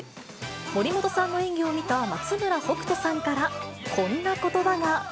森本さんの演技を見た松村北斗さんから、こんなことばが。